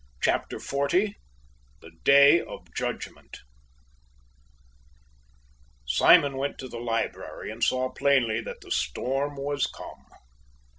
CHAPTER XL THE DAY OF JUDGMENT Simon went to the library and saw plainly that the storm was come.